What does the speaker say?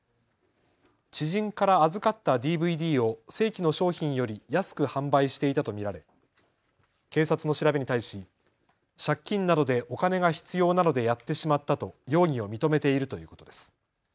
知人から預かったＤＶＤを正規の商品より安く販売していたと見られ警察の調べに対し借金などでお金が必要なのでやってしまったと容疑を認めているということです。